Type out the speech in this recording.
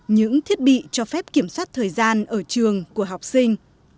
những thiết bị cho phép kiểm soát thời gian ở trường của học sinh